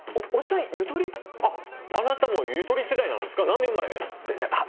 ⁉あなたもゆとり世代なんですか？